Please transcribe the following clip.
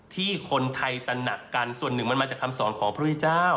ที่คนไทยตระหนักกันส่วนหนึ่งมันมาจากคำสอนของพระพุทธเจ้า